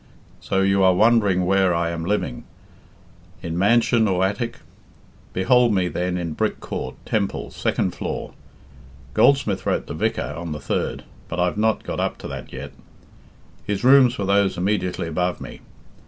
... "So you are wondering where I am living in man sion or attic! Behold me then in Brick Court, Temple, second floor. Goldsmith wrote the 'Vicar' on the third, but I've not got up to that yet. His rooms were those immediately above me.